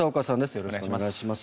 よろしくお願いします。